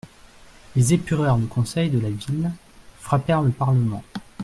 Ils épurèrent le conseil de la ville, frappèrent le parlement.